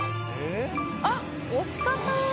あっ押し方？